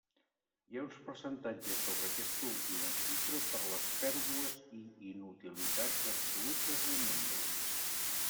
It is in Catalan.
Hi ha uns percentatges sobre aquesta última xifra per les pèrdues i inutilitats absolutes de membres.